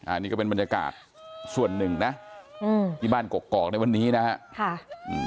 อันนี้ก็เป็นบรรยากาศส่วนหนึ่งนะอืมที่บ้านกกอกในวันนี้นะฮะค่ะอืม